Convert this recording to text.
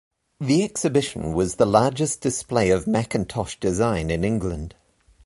The exhibition was the largest display of Mackintosh design in England.